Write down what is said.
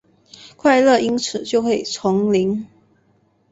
快乐因此就会重临？